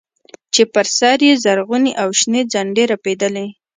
چې پر سر يې زرغونې او شنې جنډې رپېدلې.